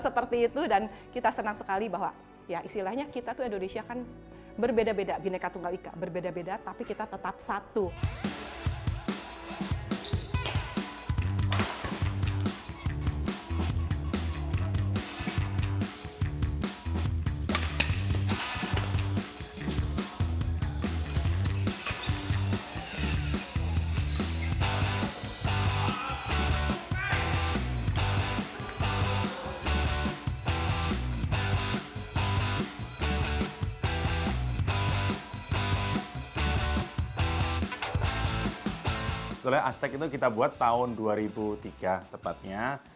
sebetulnya aztek itu kita buat tahun dua ribu tiga tepatnya